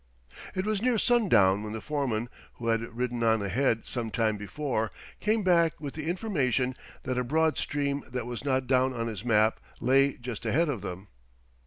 It was near sundown when the foreman, who had ridden on ahead some time before, came back with the information that a broad stream that was not down on his map lay just ahead of them.